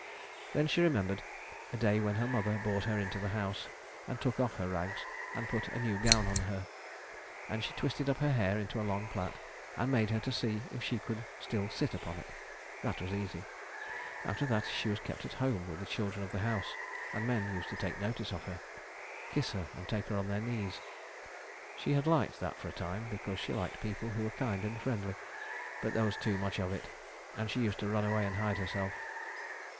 Then she remembered a day when her mother brought her into the house, and took off her rags, and put a new gown on her. She twisted up her hair into a long plait, and made her see if she could still sit upon it. That was easy. After that she was kept at home with the children of the house; and men used to take notice of her, kiss her and take her on their knees. She had liked that for a time, because she liked people who were kind and friendly; but there was too much of it, and she used to run away and hide herself.